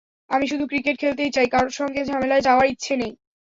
আমি শুধু ক্রিকেট খেলতেই চাই, কারও সঙ্গে ঝামেলায় যাওয়ার ইচ্ছে নেই।